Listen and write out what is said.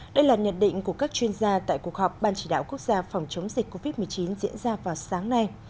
đây là nhận định của các chuyên gia tại cuộc họp ban chỉ đạo quốc gia phòng chống dịch covid một mươi chín diễn ra vào sáng nay